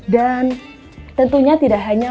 dan tentunya tidak hanya